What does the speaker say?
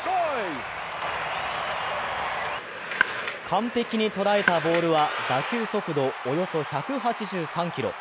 完璧に捉えたボールは打球速度およそ１８３キロ。